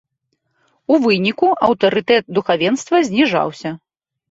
У выніку аўтарытэт духавенства зніжаўся.